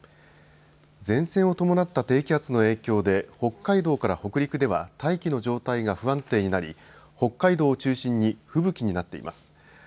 前線を伴った低気圧の影響で北海道から北陸では大気の状態が不安定になり北海道を中心に吹雪になっています。